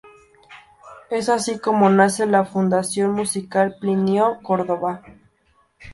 Es así como nace La Fundación Musical Plinio Córdoba.